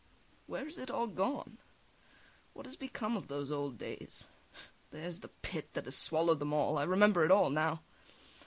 Where has it all gone? What has become of those old days? There's the pit that has swallowed them all! I remember it all now.